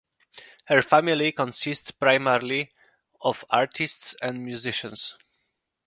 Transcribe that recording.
Her family consists primarily of artists and musicians.